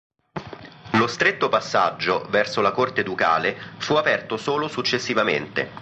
Lo stretto passaggio verso la corte ducale fu aperto solo successivamente.